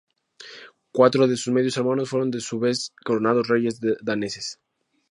Cuatro de sus medio hermanos fueron a su vez coronado reyes daneses.